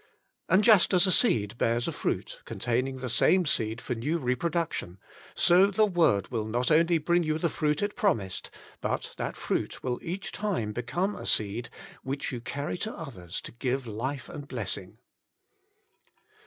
And just as a seed bears a fruit, containing the same seed for new reproduction, so the Word will not only bring you the fruit it promised, but that fruit will each time become a seed which you carry to others to give life and blessing.